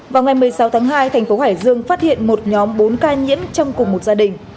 vào ngày một mươi sáu tháng hai thành phố hải dương phát hiện một nhóm bốn ca nhiễm trong cùng một gia đình